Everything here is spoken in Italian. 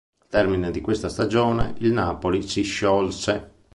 Al termine di questa stagione il Napoli si sciolse.